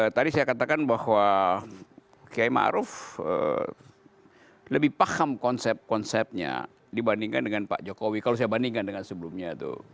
tadi saya katakan bahwa kiai ⁇ maruf ⁇ lebih paham konsep konsepnya dibandingkan dengan pak jokowi kalau saya bandingkan dengan sebelumnya